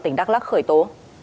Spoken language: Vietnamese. tỉnh đắk lắc khởi tố